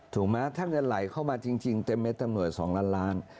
ถูกไหมถ้าเงินไหลเข้ามาจริงเต็มเม็ดตำรวจ๒ล้านล้าน